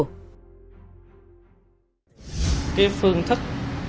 cái phương thức